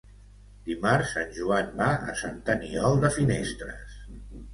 Dimarts en Joan va a Sant Aniol de Finestres.